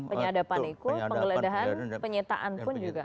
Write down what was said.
penyadapan ikut penggeledahan penyetaan pun juga